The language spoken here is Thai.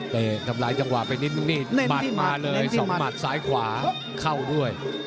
ทำลายจังหวะไปนิดนึงนี่หมัดมาเลย๒หมัดซ้ายขวาเข้าด้วย